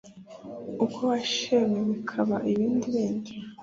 uko washenywe bikaba ibindi bindi